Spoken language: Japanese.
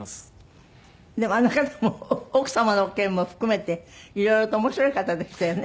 でもあの方も奥様の件も含めて色々と面白い方でしたよね。